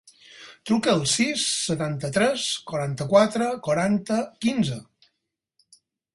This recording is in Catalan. Truca al sis, setanta-tres, quaranta-quatre, quaranta, quinze.